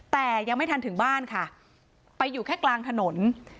แต่ยังไม่ทันถึงบ้านค่ะไปอยู่แค่กลางถนน